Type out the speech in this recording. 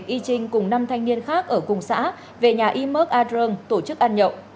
y trinh cùng năm thanh niên khác ở cùng xã về nhà y mớc a trường tổ chức ăn nhậu